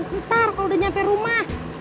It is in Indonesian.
ntar kalau udah nyampe rumah